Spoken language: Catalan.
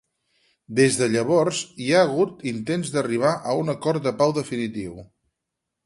Des de llavors hi ha hagut intents d'arribar a un acord de pau definitiu.